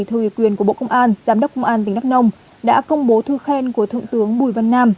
thời quyền của bộ công an giám đốc công an tỉnh đắk nông đã công bố thư khen của thượng tướng bùi văn nam